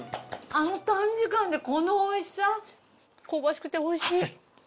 あの短時間でこのおいしさ？香ばしくておいしい。